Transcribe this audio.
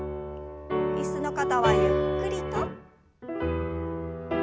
椅子の方はゆっくりと。